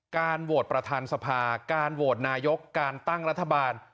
การโหวตประธานสภาการโหวตนายกการตั้งรัฐบาล